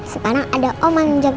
sekarang ada oman yang jagain